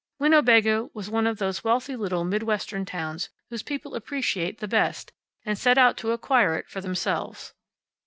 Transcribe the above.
Winnebago was one of those wealthy little Mid Western towns whose people appreciate the best and set out to acquire it for themselves.